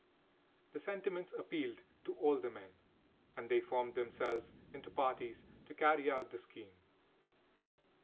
The sentiments appealed to all the men, and they formed themselves into parties to carry out the scheme.